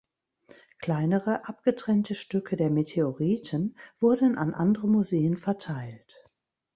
Kleinere, abgetrennte Stücke der Meteoriten wurden an andere Museen verteilt.